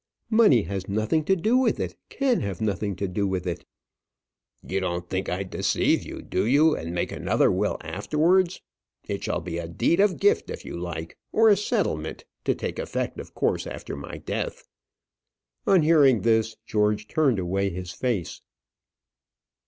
Money has nothing to do with it; can have nothing to do with it." "You don't think I'd deceive you, do you, and make another will afterwards? It shall be a deed of gift if you like, or a settlement to take effect of course after my death." On hearing this George turned away his face.